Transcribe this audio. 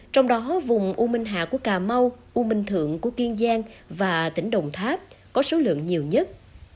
trong đó vùng u minh hạ của cà mau u minh thượng của kiên giang và tỉnh đồng tháp có số lượng nhiều nhất